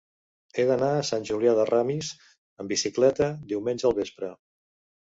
He d'anar a Sant Julià de Ramis amb bicicleta diumenge al vespre.